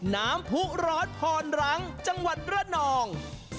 ๒น้ำผู้ร้อนพรหรังจังหวัดร่านอง